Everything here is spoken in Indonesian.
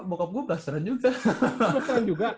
bokap lu belas teran juga